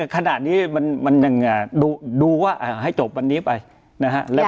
ขณะนี้มันยังดูว่าให้จบวันนี้ไปนะฮะ